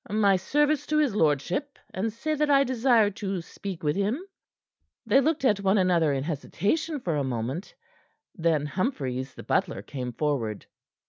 "My service to his lordship, and say that I desire to speak with him." They looked at one another in hesitation for a moment; then Humphries, the butler, came forward.